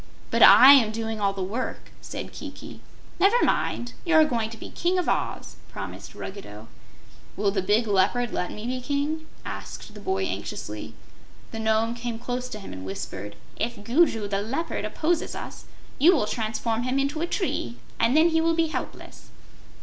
"But I am doing all the work," said Kiki. "Never mind; you're going to be King of Oz," promised Ruggedo. "Will the big Leopard let me be King?" asked the boy anxiously. The Nome came close to him and whispered: "If Gugu the Leopard opposes us, you will transform him into a tree, and then he will be helpless."